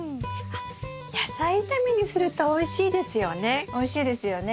野菜炒めにするとおいしいですよね。